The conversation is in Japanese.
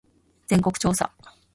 全国調査